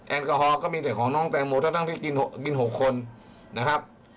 แอลกอฮอลก็มีแต่ของน้องแตงโมทั้งที่กิน๖คนนะครับ